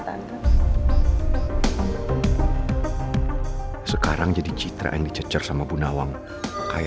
tanpa sekarang jadi citra yang dicecar sama bunawang kayaknya gue benar benar